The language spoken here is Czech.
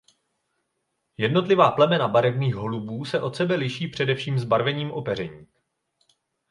Jednotlivá plemena barevných holubů se od sebe liší především zbarvením opeření.